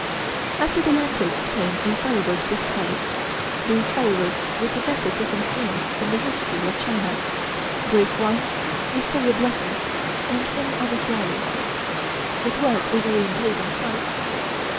After the lanterns came a firework display. These fireworks represented different scenes in the history of China, grape vines, wisteria blossoms, and many other flowers. It was a very imposing sight.